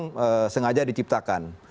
itu memang sengaja diciptakan